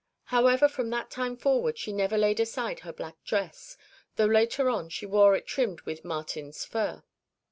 However, from that time forward she never laid aside her black dress, though later on she wore it trimmed with marten's fur.